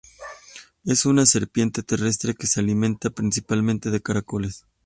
Es una serpiente terrestre que se alimenta principalmente de caracoles.